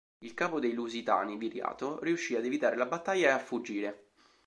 Il capo dei Lusitani Viriato riuscì ad evitare la battaglia e a fuggire.